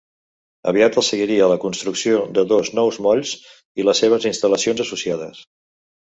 Aviat els seguiria la construcció de dos nous molls i les seves instal·lacions associades.